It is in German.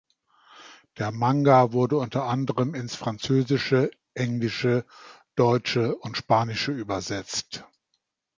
Der Manga wurde unter anderem ins Französische, Englische, Deutsche und Spanische übersetzt.